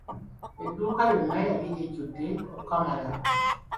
Edduuka yonna yali ejjudde okukamala!